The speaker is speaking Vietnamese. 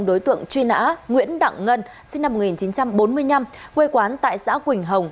đối tượng truy nã nguyễn đặng ngân sinh năm một nghìn chín trăm bốn mươi năm quê quán tại xã quỳnh hồng